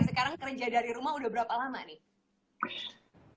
sekarang kerja dari rumah udah berapa lama nih